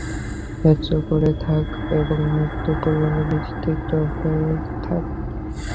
ধৈর্য ধরে থাক এবং মৃত্যু পর্যন্ত বিশ্বস্ত হয়ে থাক।